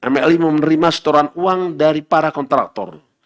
mli menerima setoran uang dari para kontraktor